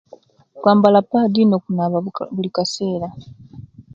Kwambala pad no'kunaaba buli kasera